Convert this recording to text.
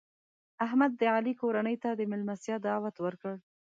احمد د علي کورنۍ ته د مېلمستیا دعوت ورکړ.